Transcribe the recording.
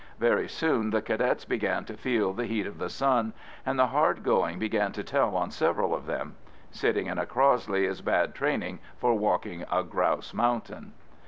Very soon the Cadets began to feel the heat of the sun, and the hard going began to tell on several of them. Sitting in a Crossley is bad training for walking a grouse mountain.